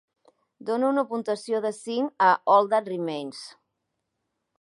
Dona una puntuació de cinc a All That Remains